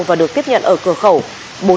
và được tiếp nhận ở cửa khẩu